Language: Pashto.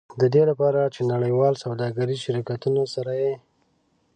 د دې لپاره چې د نړیوالو سوداګریزو شرکتونو سره یې.